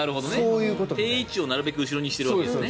定位置をなるべく後ろにしているわけですね。